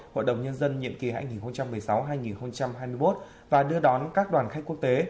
hội đồng nhân dân nhiệm kỳ hai nghìn một mươi sáu hai nghìn hai mươi một và đưa đón các đoàn khách quốc tế